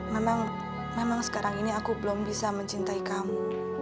memang sekarang ini aku belum bisa mencintai kamu